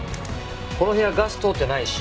この部屋ガス通ってないし